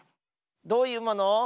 どういうもの？